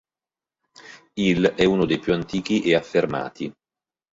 Il è uno dei più antichi e affermati.